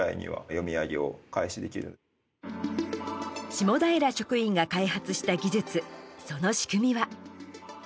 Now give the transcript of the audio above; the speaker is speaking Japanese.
下平職員が開発した技術その仕組みは。